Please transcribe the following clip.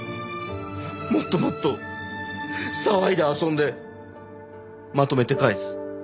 もっともっと騒いで遊んでまとめて返す。